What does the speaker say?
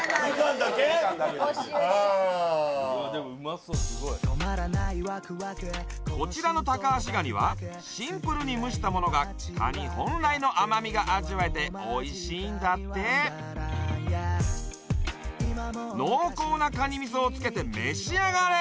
ああでもうまそうすごいこちらのタカアシガニはシンプルに蒸したものがカニ本来の甘みが味わえて美味しいんだって濃厚なカニ味噌をつけて召し上がれ！